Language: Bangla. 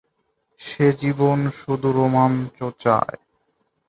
সে জীবনে শুধু রোমাঞ্চ চায়।